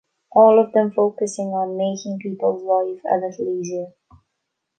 All of them focusing on "making people's life a little easier".